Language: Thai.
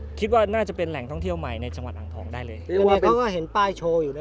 น่าจะครับปิดว่าน่าจะเป็นแหล่งท่องเที่ยวใหม่ในจังหวัด